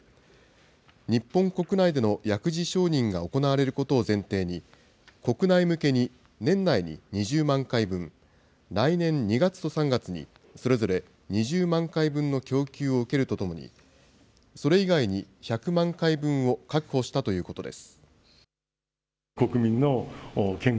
日本国内での薬事承認が行われることを前提に、国内向けに、年内に２０万回分、来年２月と３月にそれぞれ２０万回分の供給を受けるとともに、それ以外に１００万回分を確保したということです。